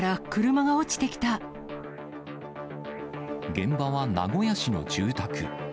現場は名古屋市の住宅。